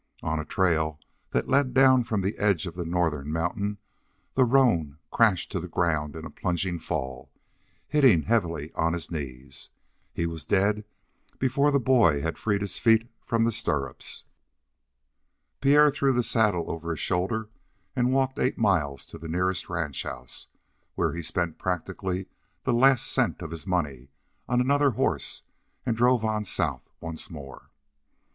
On a trail that led down from the edges of the northern mountain the roan crashed to the ground in a plunging fall, hitting heavily on his knees. He was dead before the boy had freed his feet from the stirrups. Pierre threw the saddle over his shoulder and walked eight miles to the nearest ranch house, where he spent practically the last cent of his money on another horse, and drove on south once more.